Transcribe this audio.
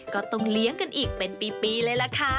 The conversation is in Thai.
ก็ต้องเลี้ยงกันอีกเป็นปีเลยล่ะค่ะ